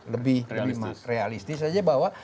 lebih realistis saja bahwa